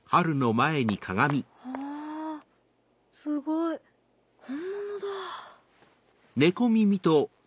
はぁすごい本物だ。